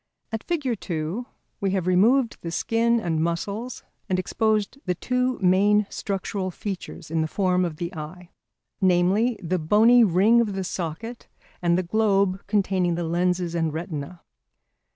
At Fig. 2 we have removed the skin and muscles and exposed the two main structural features in the form of the eye, namely the bony ring of the socket and the globe containing the lenses and retina.